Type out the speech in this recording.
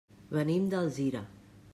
Venim d'Alzira.